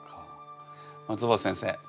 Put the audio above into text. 松尾葉先生。